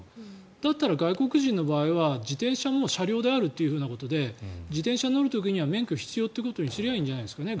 だったら外国人の場合は自転車も車両であるということで自転車乗る時には免許が必要だとすればいいんじゃないですか。